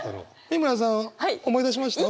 美村さん思い出しました？